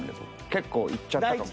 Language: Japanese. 結構いっちゃったかも。